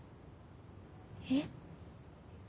えっ？